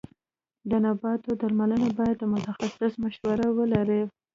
د نباتو درملنه باید د متخصص مشوره ولري.